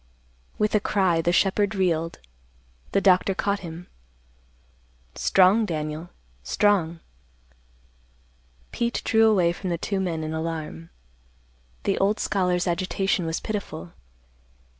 With a cry the shepherd reeled. The doctor caught him. "Strong, Daniel, strong." Pete drew away from the two men in alarm. The old scholar's agitation was pitiful.